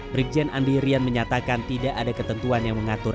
brigjen andirian menyatakan tidak ada ketentuan yang mengatur